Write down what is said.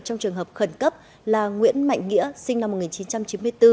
trong trường hợp khẩn cấp là nguyễn mạnh nghĩa sinh năm một nghìn chín trăm chín mươi bốn